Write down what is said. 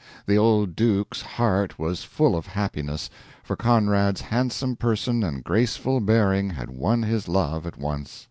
The old Duke's heart was full of happiness, for Conrad's handsome person and graceful bearing had won his love at once.